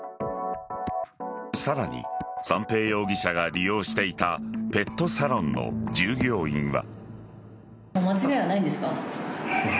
さらに三瓶容疑者が利用していたペットサロンの従業員は。